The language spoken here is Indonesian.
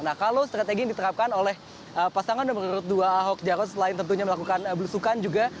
nah kalau strategi yang diterapkan oleh pasangan nomor dua ahok jarot selain tentunya melakukan belusukan juga